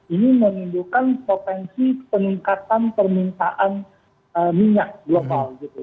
ini menunjukkan potensi peningkatan permintaan minyak global gitu